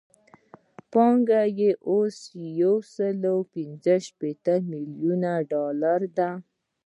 پانګه یې اوس یو سل پنځه ویشت میلیونه ده